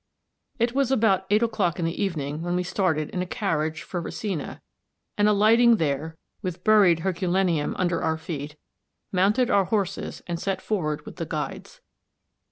] It was about eight o'clock in the evening when we started in a carriage for Resina, and alighting there, with buried Herculaneum under our feet, mounted our horses and set forward with the guides.